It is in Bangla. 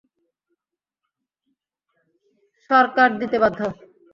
সরকার দিতে বাধ্য।